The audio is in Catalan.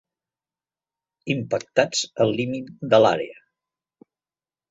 Impactats al límit de l'àrea.